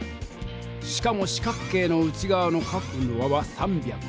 しかも四角形の内がわの角の和は３６０度。